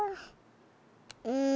うん。